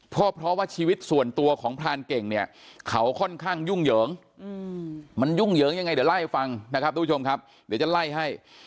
เพราะว่าชีวิตส่วนตัวของพรานเก่งเนี่ยเขาค่อนข้างยุ่งเหยิงมันยุ่งเหยิงยังไงเดี๋ยวไล่ฟังนะครับทุกผู้ชมครับเดี๋ยวจะไล่ให้